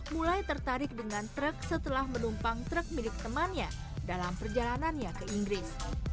mulai tertarik dengan truk setelah menumpang truk milik temannya dalam perjalanannya ke inggris